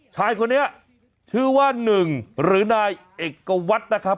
ชายคนนี้ชื่อว่าหนึ่งหรือนายเอกวัตรนะครับ